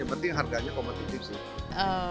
yang penting harganya kompetitif sih